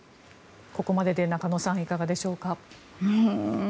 ここまでで中野さんいかがでしょうか。